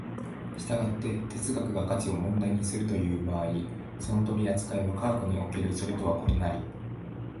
従って哲学が価値を問題にするという場合、その取扱いは科学におけるそれとは異なり、